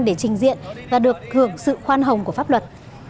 để trình diện và được hưởng sự khoan hồng của pháp luật